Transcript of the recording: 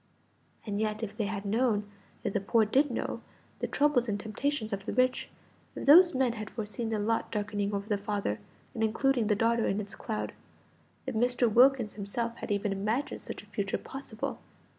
And yet, if they had known if the poor did know the troubles and temptations of the rich; if those men had foreseen the lot darkening over the father, and including the daughter in its cloud; if Mr. Wilkins himself had even imagined such a future possible